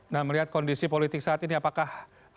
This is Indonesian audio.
nah melihat kondisi politik saat ini apakah